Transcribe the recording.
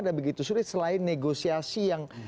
dan begitu sulit selain negosiasi